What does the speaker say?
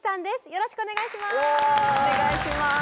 よろしくお願いします！